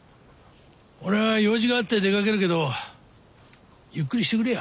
俺は用事があって出かけるけどゆっくりしてくれや。